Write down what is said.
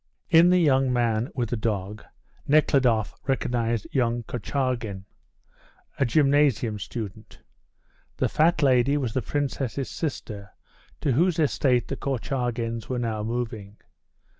In the young man with the dog Nekhludoff recognised young Korchagin, a gymnasium student. The fat lady was the Princess's sister, to whose estate the Korchagins were now moving.